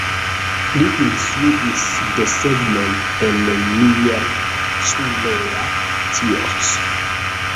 Li instruis desegnon en Miercurea Ciuc.